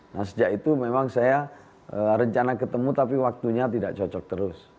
nah sejak itu memang saya rencana ketemu tapi waktunya tidak cocok terus